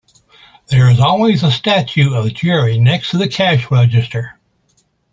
There is always a statue of Jerry next to the cash register.